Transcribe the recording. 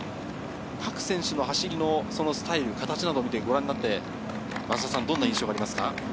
各選手の走りのスタイル、形などをご覧になって、増田さん、どんな印象がありますか？